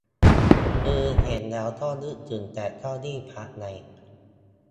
คือเห็นแล้วก็นึกถึงแต่เก้าอี้พับไง